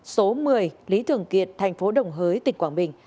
số một mươi lý thường kiệt tp đồng hới tỉnh quảng bình